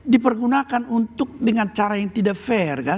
dipergunakan untuk dengan cara yang tidak fair kan